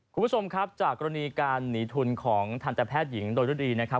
คุณผู้ชมครับจากกรณีการหนีทุนของทันตแพทย์หญิงโดยรุดีนะครับ